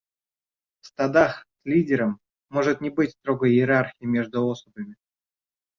В стадах с лидером может не быть строгой иерархии между особями.